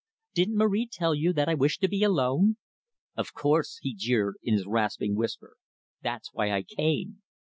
"Didn't Marie tell you that I wished to be alone?" "Of course," he jeered in his rasping whisper, "that's why I came."